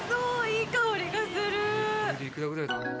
いい香りがする！